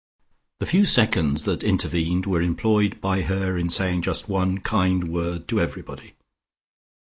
The few seconds that intervened were employed by her in saying just one kind word to everybody.